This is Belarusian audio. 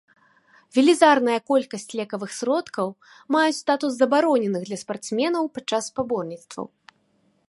Велізарная колькасць лекавых сродкаў маюць статус забароненых для спартсменаў падчас спаборніцтваў.